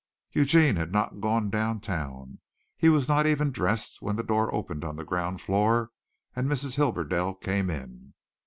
Eugene had not gone down town. He was not even dressed when the door opened on the ground floor and Mrs. Hibberdell came in.